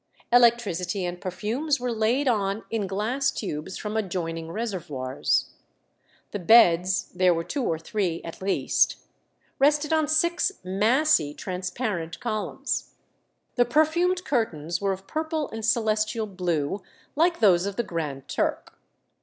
Electricity and perfumes were laid on in glass tubes from adjoining reservoirs. The beds (there were two or three at least) rested on six massy transparent columns. The perfumed curtains were of purple and celestial blue, like those of the Grand Turk.